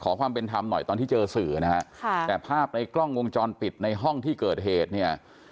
ความเป็นธรรมหน่อยตอนที่เจอสื่อนะฮะค่ะแต่ภาพในกล้องวงจรปิดในห้องที่เกิดเหตุเนี่ย